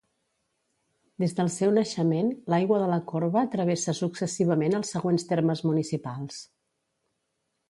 Des del seu naixement, l'Aigua de la Corba travessa successivament els següents termes municipals.